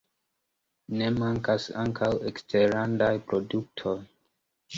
Ne mankas ankaŭ eksterlandaj produktoj.